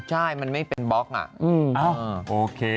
ใช่มันไม่เป็นบล็อกอ่ะโอเค